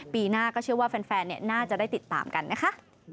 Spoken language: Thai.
ปีหน้าก็เชื่อว่าแฟนน่าจะได้ติดตามกันนะคะ